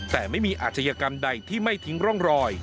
แต่ไม่มีอาชญากรรมใดที่ไม่ทิ้งร่องรอย